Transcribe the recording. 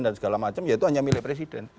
dan segala macam ya itu hanya milih presiden